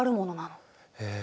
へえ。